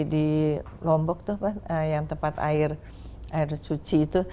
di lombok itu yang tempat air cuci itu